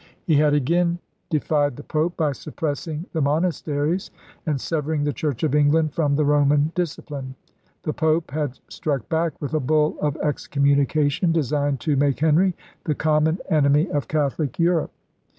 He had again defied the Pope by suppressing the monas teries and severing the Church of England from the Roman discipline. The Pope had struck back with a bull of excommunication designed to make Henry the common enemy of Catholic Europe.